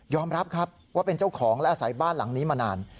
รับครับว่าเป็นเจ้าของและอาศัยบ้านหลังนี้มานาน